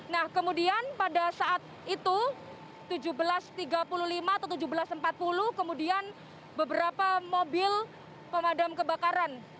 nah kemudian pada saat itu tujuh belas tiga puluh lima atau tujuh belas empat puluh kemudian beberapa mobil pemadam kebakaran